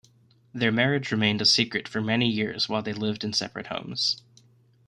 Their marriage remained a secret for many years while they lived in separate homes.